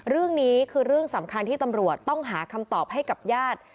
เรื่องนี้คือเรื่องสำคัญที่ตำรวจต้องหาคำตอบให้กับญาติ